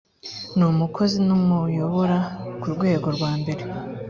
n umukozi n abamuyobora ku rwego rwa mbere